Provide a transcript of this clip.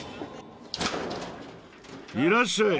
いらっしゃい。